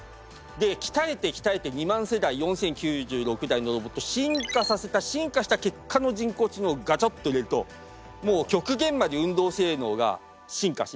で鍛えて鍛えて２万世代４，０９６台のロボット進化させた進化した結果の人工知能をガチャッと入れるともう極限まで運動性能が進化し。